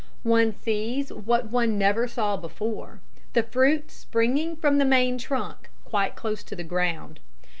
One sees what one never saw before, the fruit springing from the main trunk, quite close to the ground.